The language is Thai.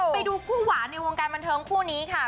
ไปดูคู่หวานในวงการบันเทิงคู่นี้ค่ะ